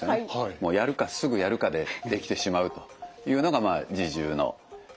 もうやるかすぐやるかでできてしまうというのがまあ自重のメリットで。